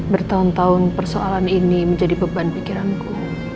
bertahun tahun persoalan ini menjadi beban pikiranku